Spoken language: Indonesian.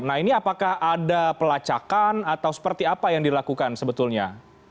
nah ini apakah ada pelacakan atau seperti apa yang dilakukan sebetulnya